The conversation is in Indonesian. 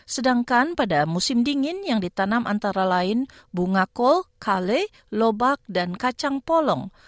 sedangkan pada musim dingin yang ditanam antara lain bunga kol kale lobak dan kacang polong